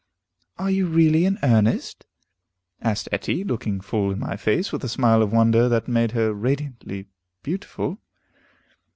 "Are you really in earnest?" asked Etty, looking full in my face, with a smile of wonder that made her radiantly beautiful.